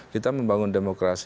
kita membangun demokrasi